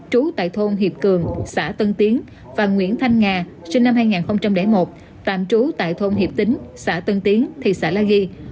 trú tại thôn hiệp cường xã tân tiến và nguyễn thanh nga sinh năm hai nghìn một tạm trú tại thôn hiệp tính xã tân tiến thị xã la ghi